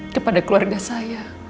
kepada keluarga saya